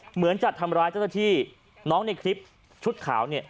เหมือนจะทำร้ายเจ้าหน้าที่น้องในคลิปชุดขาวเนี่ย